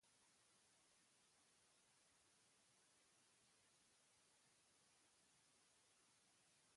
Itsasontzi herdoilduen usain gazia hartzen diet nik hango kaleei.